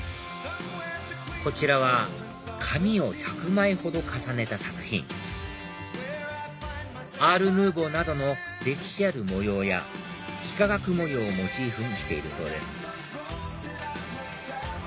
こちらは紙を１００枚ほど重ねた作品アールヌーボーなどの歴史ある模様や幾何学模様をモチーフにしているそうです